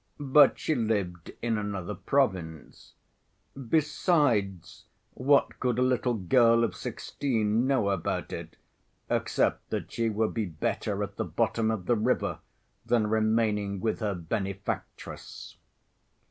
But she lived in another province; besides, what could a little girl of sixteen know about it, except that she would be better at the bottom of the river than remaining with her benefactress.